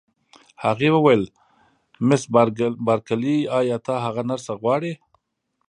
هغې وویل: مس بارکلي، ایا ته هغه نرسه غواړې؟